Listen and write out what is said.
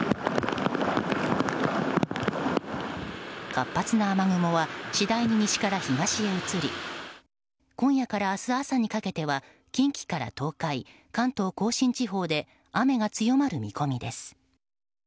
活発な雨雲は次第に西から東へ移り今夜から明日朝にかけては近畿から東海、関東・甲信地方で雨が強まる見込みです。